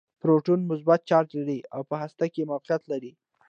پروټون مثبت چارچ لري او په هسته کې موقعیت لري.